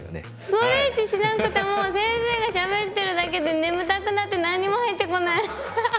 ストレッチしなくても先生がしゃべってるだけで眠たくなって何にも入ってこないアッハハ。